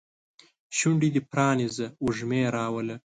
شونډې دې پرانیزه وږمې راوله